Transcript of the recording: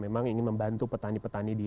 memang ingin membantu petani petani di